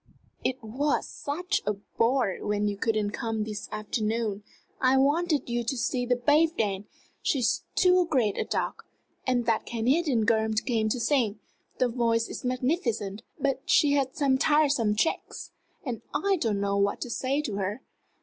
"It was such a bore you couldn't come this afternoon! I wanted you to see the babe dance she's too great a duck! And that Canadian girl came to sing. The voice is magnificent but she has some tiresome tricks! and I didn't know what to say to her.